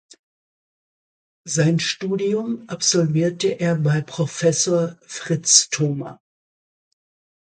Sein Studium absolvierte er bei Professor Fritz Thoma.